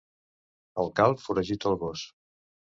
El calb foragita el gos.